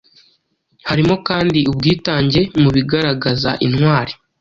Harimo kandi ubwitange mu bigaragaza intwari,